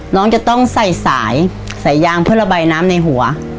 น้องจะต้องใส่สายใส่ยางเพื่อระบายน้ำในหัว